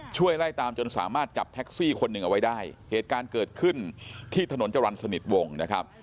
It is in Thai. ช่วยไล่ตามจนสามารถจับแท็กซี่คนหนึ่งเอาไว้ได้เหตุการณ์เกิดขึ้นที่ถนนจรรย์สนิทวงนะครับ